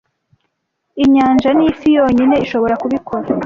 Inyanja ni ifi yonyine ishobora kubikora